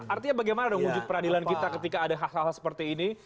artinya bagaimana dong wujud peradilan kita ketika ada hal hal seperti ini